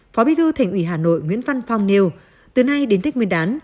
phó bí thư thành ủy hà nội nguyễn văn phong nêu từ nay đến tết nguyên đán